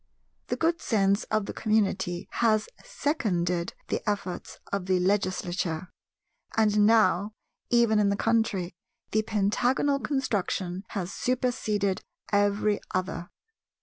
The good sense of the community has seconded the efforts of the Legislature; and now, even in the country, the pentagonal construction has superseded every other.